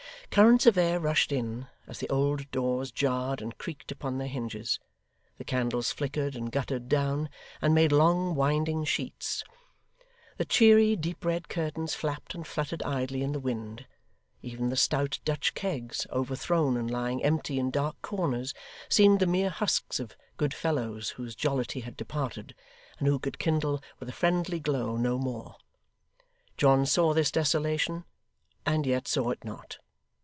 Currents of air rushed in, as the old doors jarred and creaked upon their hinges; the candles flickered and guttered down, and made long winding sheets; the cheery deep red curtains flapped and fluttered idly in the wind; even the stout Dutch kegs, overthrown and lying empty in dark corners, seemed the mere husks of good fellows whose jollity had departed, and who could kindle with a friendly glow no more. John saw this desolation, and yet saw it not.